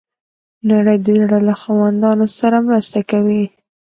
نړۍ د زړه له خاوندانو سره مرسته کوي.